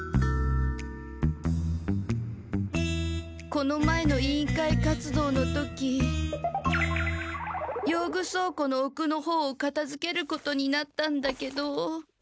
この前の委員会活動の時用具倉庫のおくのほうをかたづけることになったんだけど。